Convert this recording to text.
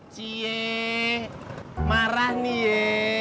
cie marah nih ye